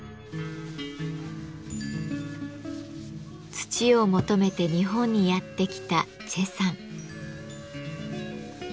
土を求めて日本にやって来た崔さん。